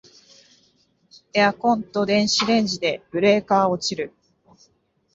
エアコンと電子レンジでブレーカー落ちる